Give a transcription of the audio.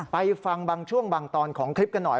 ไปฟังบางช่วงบางตอนของคลิปกันหน่อย